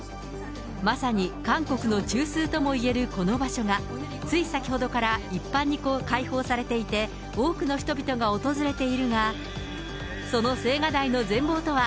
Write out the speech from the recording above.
まさに韓国の中枢ともいえるこの場所が、つい先ほどから一般に開放されていて、多くの人々が訪れているが、その青瓦台の全貌とは。